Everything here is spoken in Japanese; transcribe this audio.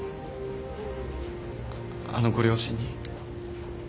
あのご両親に。